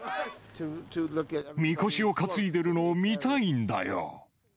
みこしを担いでいるのを見たいんだよ。